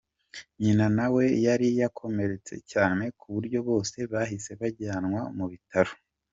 Nyina na we yari yakomeretse cyane ku buryo bose bahise bajyanwa mu bitaro.